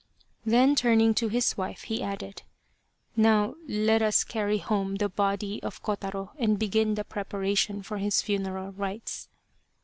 Then, turning to his wife, he added, " Now let us carry home the body of Kotaro and begin the prepara tions for his funeral rites."